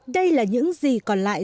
đây là những gì còn lại